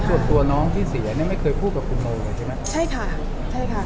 ส่วนตัวน้องที่เสียเนี่ยไม่เคยพูดกับคุณโมเลยใช่ไหมใช่ค่ะใช่ค่ะ